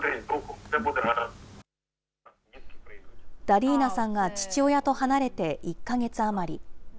ダリーナさんが父親と離れて１か月余り。